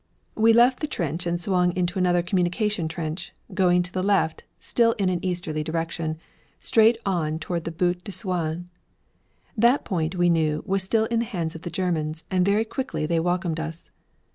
We left the trench and swung into another communication trench, going to the left, still in an easterly direction, straight on toward the Butte de Souain. That point, we knew, was still in the hands of the Germans, and very quickly they welcomed us.